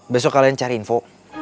besok kalian cari info